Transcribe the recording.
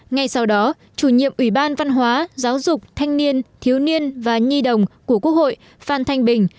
ngay sau đó chủ nhiệm ủy ban văn hóa giáo dục thanh niên thiếu niên và nhi đồng của quốc hội phan thanh bình